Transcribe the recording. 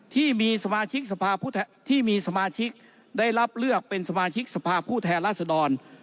ที่มีสมาชิกได้รับเลือกเป็นสมาชิกสภาพุทธแหล่าสดร